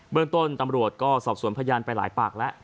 เมืองต้นตำรวจก็สอบสวนพยานไปหลายปากแล้ว